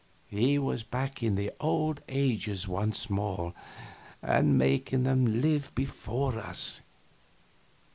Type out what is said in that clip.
He was back in the old ages once more now, and making them live before us.